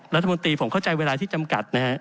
รัฐมนตรีผมเข้าใจเวลาที่จำกัดนะฮะ